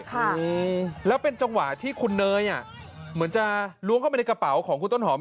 ค่ะแล้วเป็นจังหวะที่คุณเนยอ่ะเหมือนจะล้วงเข้าไปในกระเป๋าของคุณต้นหอม